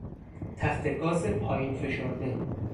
تختهگاز پایین فشرده